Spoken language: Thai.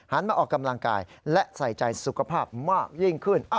มาออกกำลังกายและใส่ใจสุขภาพมากยิ่งขึ้น